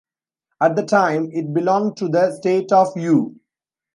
At the time, it belonged to the state of Yue.